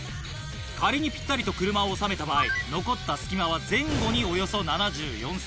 仮にぴったりと車を収めた場合残った隙間は前後におよそ７４ｃｍ。